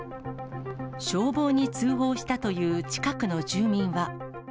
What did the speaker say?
消防に通報したという近くの住民は。